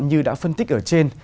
như đã phân tích ở trên